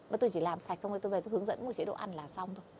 và tôi chỉ làm sạch xong rồi tôi về tôi hướng dẫn một chế độ ăn là xong thôi